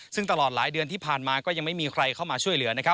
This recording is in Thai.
ซึ่งตลอดหลายเดือนที่ผ่านมาก็ยังไม่มีใครเข้ามาช่วยเหลือ